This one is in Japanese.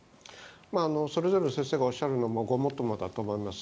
それぞれの先生がおっしゃるのもごもっともだと思います。